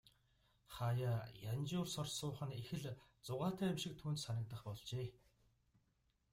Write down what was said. Хааяа янжуур сорж суух нь их л зугаатай юм шиг түүнд санагдах болжээ.